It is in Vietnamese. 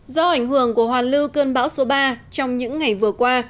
do ảnh hưởng của hoàn lưu cơn bão số ba trong những ngày vừa qua